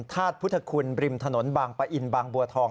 ธาตุพุทธคุณบริมถนนบางปะอินบางบัวทอง